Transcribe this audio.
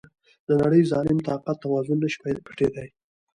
د نړی ظالم طاقت توازن نشي پټیدای.